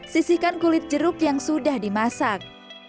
sisihkan kulit jeruk yang sudah dimasak